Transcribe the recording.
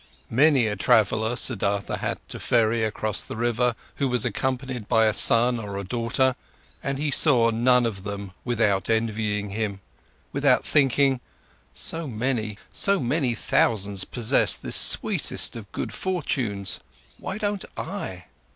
Many a traveller Siddhartha had to ferry across the river who was accompanied by a son or a daughter, and he saw none of them without envying him, without thinking: "So many, so many thousands possess this sweetest of good fortunes—why don't I?